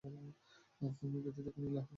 তুমি ব্যতীত কোন ইলাহ নেই।